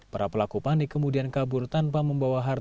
para pelaku panik kemudian kabur tanpa membawa harta